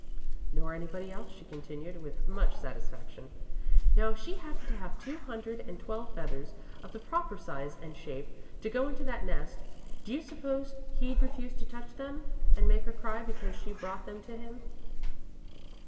"Nor anybody else," she continued, with much satisfaction. "Now, if she happened to have two hundred and twelve feathers, of the proper size and shape to go into that nest, do you suppose he'd refuse to touch them, and make her cry because she brought them to him?"